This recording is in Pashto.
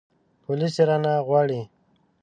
پوليس يې رانه غواړي.